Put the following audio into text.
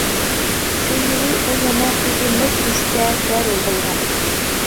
شۇ يىلى ئۇ يەنە «ئۈزۈلمەس رىشتە» دە رول ئالغان.